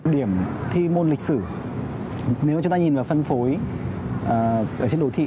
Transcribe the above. điểm thi môn lịch sử nếu chúng ta nhìn vào phân phối ở trên đồ thị